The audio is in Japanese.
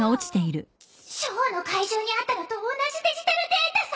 ショーの会場にあったのと同じデジタルデータさ。